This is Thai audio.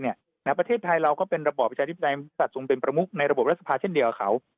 ประเทศไทยเราก็เป็นระบอบประชาธิปไตยศัตวทรงเป็นประมุขในระบบรัฐสภาเช่นเดียวกับเขา